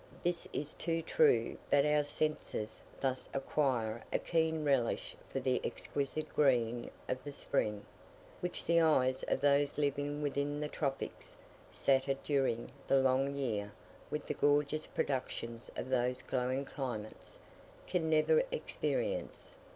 This is too true but our senses thus acquire a keen relish for the exquisite green of the spring, which the eyes of those living within the tropics, sated during the long year with the gorgeous productions of those glowing climates, can never experience.